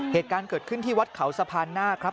เหตุการณ์เกิดขึ้นที่วัดเขาสะพานหน้าครับ